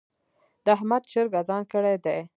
د احمد چرګ اذان کړی دی.